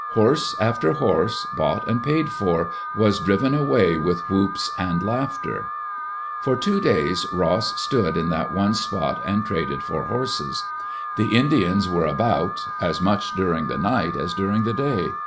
Horse after horse, bought and paid for, was driven away with whoops and laughter. For two days Ross stood in that one spot and traded for horses. The Indians were about as much during the night as during die day.